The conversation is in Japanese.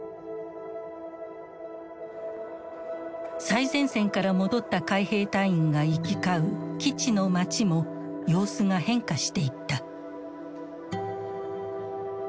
最前線から戻った海兵隊員が行き交う基地の街も様子が変化していった。